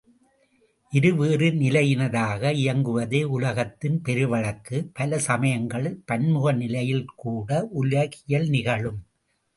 இருவேறு நிலையினதாக இயங்குவதே உலகத்தின் பெருவழக்கு பல சமயங்களில் பன்முக நிலையில் கூட உலகியல் நிகழும்.